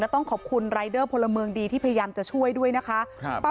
ต้องขอบคุณรายเดอร์พลเมืองดีที่พยายามจะช่วยด้วยนะคะ